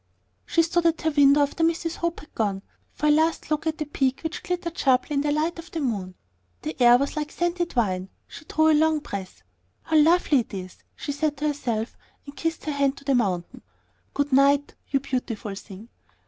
She stood at her window after Mrs. Hope had gone, for a last look at the peak which glittered sharply in the light of the moon. The air was like scented wine. She drew a long breath. "How lovely it is!" she said to herself, and kissed her hand to the mountain. "Good night, you beautiful thing."